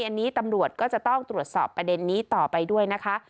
อันนี้ตำรวจก็จะต้องตรวจสอบประเด็นนี้ต่อไปด้วยนะคะ